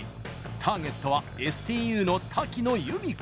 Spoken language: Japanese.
ターゲットはＳＴＵの瀧野由美子。